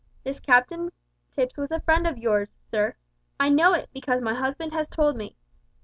This Captain Tipps was a friend of yours, sir. I know it, because my husband has told me.